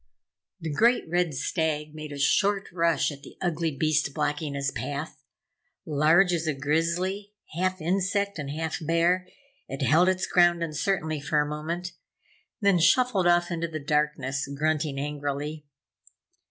The great red stag made a short rush at the ugly beast blocking his path. Large as a Grizzly, half insect and half bear, it held its ground uncertainly for a moment, then shuffled off into the darkness, grunting angrily.